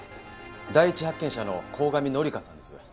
第一発見者の鴻上紀香さんです。